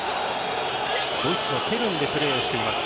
ドイツのケルンでプレーをしています。